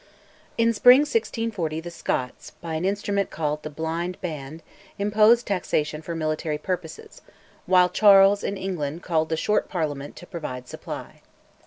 In spring 1640 the Scots, by an instrument called "The Blind Band," imposed taxation for military purposes; while Charles in England called The Short Parliament to provide Supply.